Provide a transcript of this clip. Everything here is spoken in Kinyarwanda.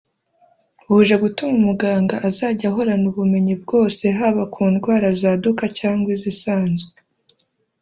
buje gutuma umuganga azajya ahorana ubumenyi bwose haba ku ndwara zaduka cyangwa izisanzwe